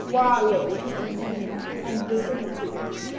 War raged in Vienna and vicinity.